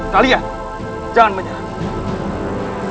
kalian jangan menyerah